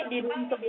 nah dari situlah